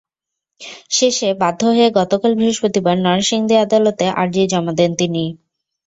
শেষে বাধ্য হয়ে গতকাল বৃহস্পতিবার নরসিংদী আদালতে আরজি জমা দেন তিনি।